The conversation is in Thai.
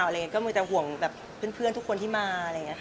ก็มันมีอาจจะในห่วงเพื่อนที่มา